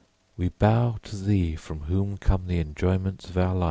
_We bow to thee from whom come the enjoyments of our life.